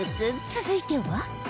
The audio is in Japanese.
続いては